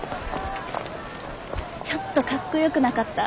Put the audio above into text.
ちょっとかっこよくなかった？